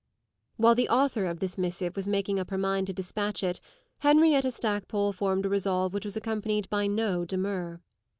While the author of this missive was making up her mind to dispatch it Henrietta Stackpole formed a resolve which was accompanied by no demur.